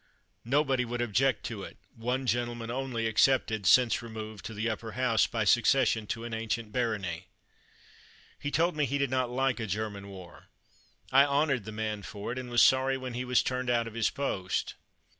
Nobody would object to it, one gentleman only excepted, since removed to the Upper House by succession to an ancient bar ony. He told me he did not like a German war. I honored the man for it, and was sorry when he was turned out of his post.